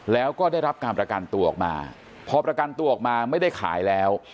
แล้วก็ได้รับการประกันตัวออกมาพอประกันตัวออกมาไม่ได้ขายแล้ว